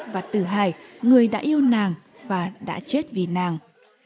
và từ hai người đã yêu nàng và đã chết vì nàng